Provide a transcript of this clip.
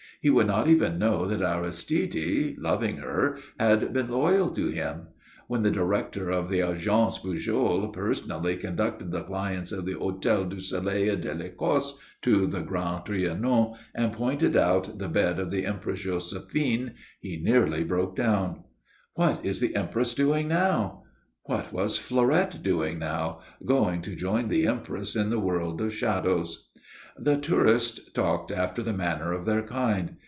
He would not even know that Aristide, loving her, had been loyal to him. When the Director of the Agence Pujol personally conducted the clients of the Hôtel du Soleil et de l'Ecosse to the Grand Trianon and pointed out the bed of the Empress Josephine he nearly broke down. "What is the Empress doing now?" What was Fleurette doing now? Going to join the Empress in the world of shadows. The tourists talked after the manner of their kind.